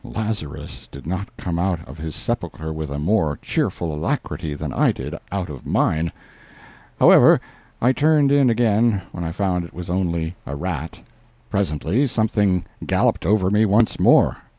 Lazarus did not come out of his sepulchre with a more cheerful alacrity than I did out of mine. However, I turned in again when I found it was only a rat. Presently something galloped over me once more.